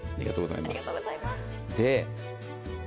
ありがとうございます。